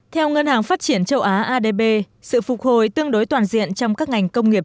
theo ngân hàng phát triển châu á adb sự phục hồi tương đối toàn diện trong các ngành công nghiệp